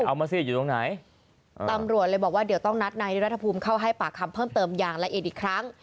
ทั้งนับตำรวจละเอาไว้ดังไหน